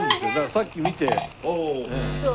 さっき見て。